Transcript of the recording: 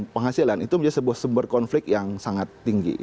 penghasilan itu menjadi sebuah sumber konflik yang sangat tinggi